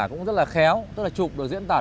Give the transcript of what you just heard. cũng rất là khéo tức là chụp được diễn tả